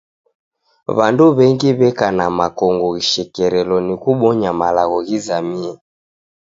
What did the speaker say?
W'andu w'engi w'eka na makongo ghishekerelo ni kubonywa malagho ghizamie.